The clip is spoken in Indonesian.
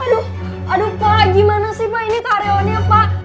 aduh aduh pak gimana sih pak ini karyawannya pak